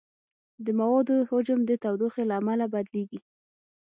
د موادو حجم د تودوخې له امله بدلېږي.